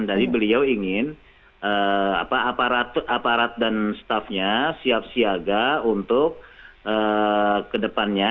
jadi beliau ingin aparat dan staffnya siap siaga untuk ke depannya